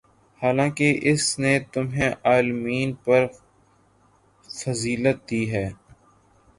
حالانکہ اس نے تمہیں عالمین پر فضیلت دی ہے